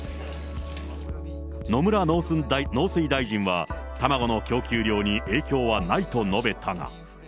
野村農水大臣は、卵の供給量に影響はないと述べたが。